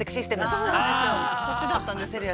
そっちだったんです。